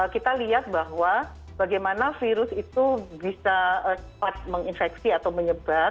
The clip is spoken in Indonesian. kita lihat bahwa bagaimana virus itu bisa cepat menginfeksi atau menyebar